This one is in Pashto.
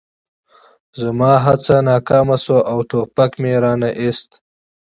زما هڅه ناکامه شوه او ټوپک مې را نه ایست